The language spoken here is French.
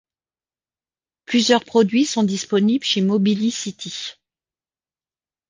Plusieurs produits sont disponibles chez Mobilicity.